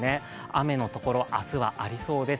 雨のところ、明日はありそうです。